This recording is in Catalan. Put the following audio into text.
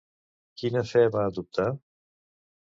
Quina fe va adoptar?